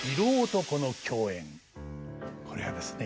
これはですね